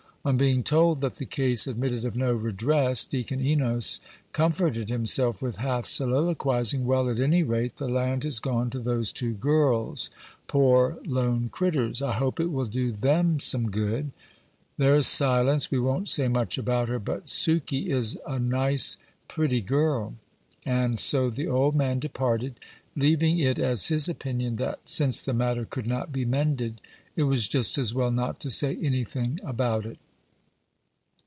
On being told that the case admitted of no redress, Deacon Enos comforted himself with half soliloquizing, "Well, at any rate, the land has gone to those two girls, poor lone critters I hope it will do them some good. There is Silence we won't say much about her; but Sukey is a nice, pretty girl." And so the old man departed, leaving it as his opinion that, since the matter could not be mended, it was just as well not to say any thing about it.